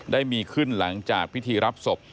ได้มีขึ้นหลังจากพิธีรับศพ